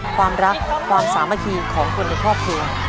ความรักความสามัคคีของคนในครอบครัว